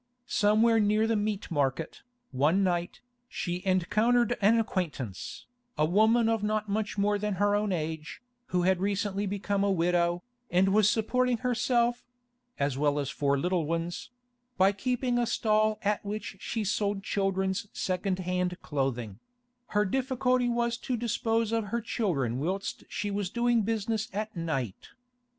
Somewhere near the Meat Market, one night, she encountered an acquaintance, a woman of not much more than her own age, who had recently become a widow, and was supporting herself (as well as four little ones) by keeping a stall at which she sold children's second hand clothing; her difficulty was to dispose of her children whilst she was doing business at night.